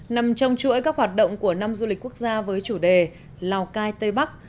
nằm trong chuỗi các hoạt động của năm du lịch quốc gia với chủ đề lào cai tây bắc